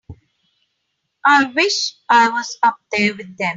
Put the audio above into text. I wish I was up there with them.